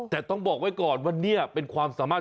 แต่ต้องบอกไว้ก่อนว่านี่เป็นความสามารถ